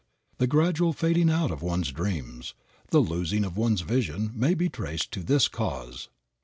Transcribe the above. The gradual fading out of one's dreams, the losing of one's vision, may be traced to this cause.